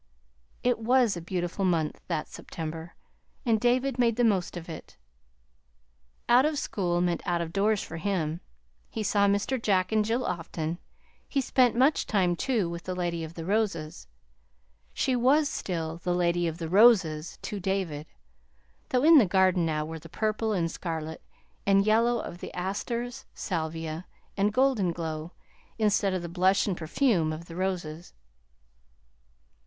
It was a beautiful month that September, and David made the most of it. Out of school meant out of doors for him. He saw Mr. Jack and Jill often. He spent much time, too, with the Lady of the Roses. She was still the Lady of the ROSES to David, though in the garden now were the purple and scarlet and yellow of the asters, salvia, and golden glow, instead of the blush and perfume of the roses.